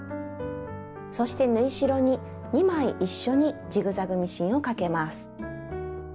そして縫い代に２枚一緒にジグザグミシンをかけます。